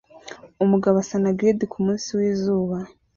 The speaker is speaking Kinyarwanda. Umugabo asana glider kumunsi wizuba